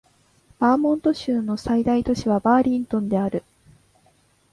バーモント州の最大都市はバーリントンである